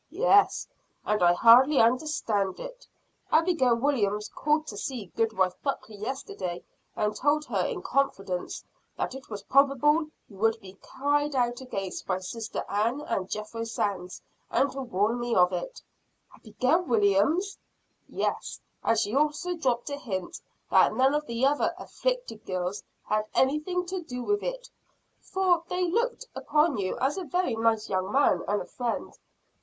"Yes, and I hardly understand it. Abigail Williams called to see Goodwife Buckley yesterday, and told her in confidence that it was probable you would be cried out against by Sister Ann and Jethro Sands; and to warn me of it." "Abigail Williams!" "Yes; and she also dropped a hint that none of the other 'afflicted girls' had anything to do with it for they looked upon you as a very nice young man, and a friend."